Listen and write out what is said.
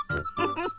フフフフ。